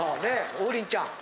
王林ちゃん